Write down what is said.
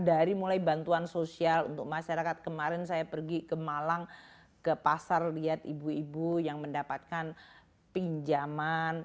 dari mulai bantuan sosial untuk masyarakat kemarin saya pergi ke malang ke pasar lihat ibu ibu yang mendapatkan pinjaman